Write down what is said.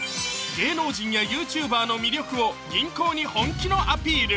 芸能人やＹｏｕＴｕｂｅｒの魅力を銀行に本気のアピール